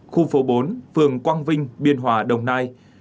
khu phố bốn phường quang vinh biên hòa đồng nai